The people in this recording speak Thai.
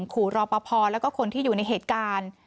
เขิมขู่รอปภก็คุณที่อยู่ในเหตุการณ์